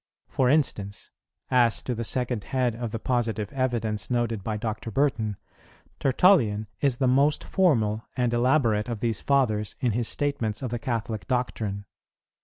For instance, as to the second head of the positive evidence noted by Dr. Burton, Tertullian is the most formal and elaborate of these Fathers in his statements of the Catholic doctrine.